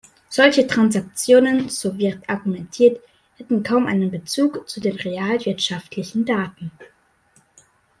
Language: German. Solche Transaktionen, so wird argumentiert, hätten kaum einen Bezug zu den realwirtschaftlichen Daten.